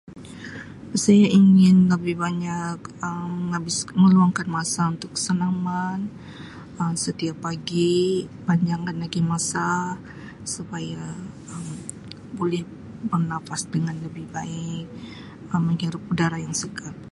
saya ingin lebih banyak meluangkan masa untuk senaman, Um setiap pagi panjangkan lagi masa supaya Um boleh bernafas dengan lebih baik Um menghirup udara yang segar.